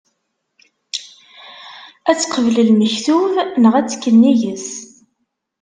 Ad teqbel lmektub, neɣ ad tekk nnig-s?